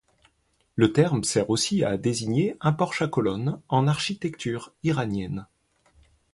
Le terme sert aussi à désigner un porche à colonnes en architecture iranienne.